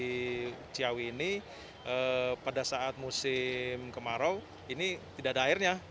di ciawi ini pada saat musim kemarau ini tidak ada airnya